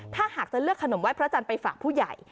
ถ้าหากจะเลือกขนมไห้พระจันทร์ไปฝากผู้ใหญ่